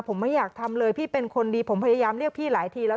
ผมไม่อยากทำเลยพี่เป็นคนดีผมพยายามเรียกพี่หลายทีแล้ว